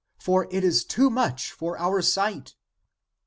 For it is too much for our sight."